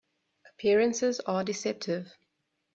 Appearances are deceptive.